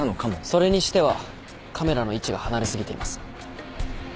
それにしてはカメラの位置が離れ過ぎています。